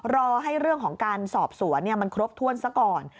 รอให้เรื่องของการสอบสวนมันครบถ้วนซะก่อน